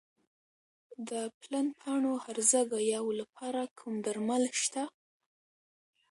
د پلن پاڼو هرزه ګیاوو لپاره کوم درمل شته؟